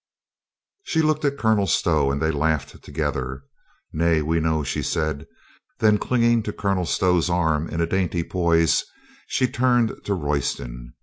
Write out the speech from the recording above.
She looked at Colonel Stow, and they laughed to gether. "Nay, we know," she said. Then, clinging to Colonel Stow's arm in a dainty poise, she turned to Royston.